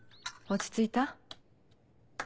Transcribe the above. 落ち着いた？